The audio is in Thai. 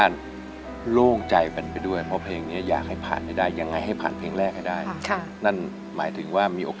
ร้องได้ร้องได้ร้องได้